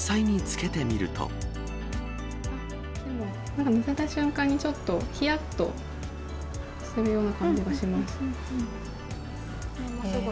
なんか乗せた瞬間に、ちょっとひやっとするような感じがします。